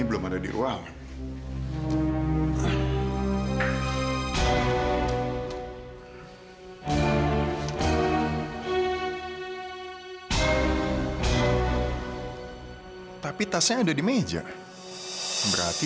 berarti harusnya kamu tau